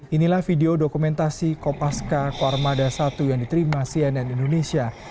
inilah video dokumentasi kopaska kuarmada satu yang diterima cnn indonesia